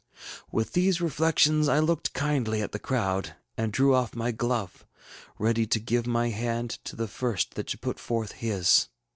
ŌĆÖ ŌĆ£With these reflections I looked kindly at the crowd, and drew off my glove, ready to give my hand to the first that should put forth his.